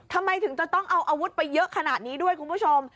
ทำไมถึงจะต้องเอาอาวุธไปเยอะขนาดนี้ด้วยคุณผู้ชม